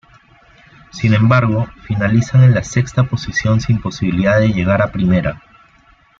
Sin embargo, finalizan en la sexta posición sin posibilidades de llegar a Primera.